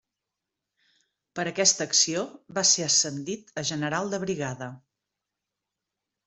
Per aquesta acció va ser ascendit a general de brigada.